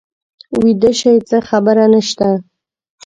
ویده شئ څه خبره نه شته.